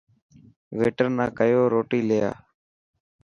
ويٽر ناڪيو روٽي لي آءِ.